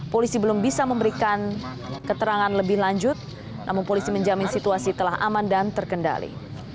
polisi belum bisa memberikan keterangan lebih lanjut namun polisi menjamin situasi telah aman dan terkendali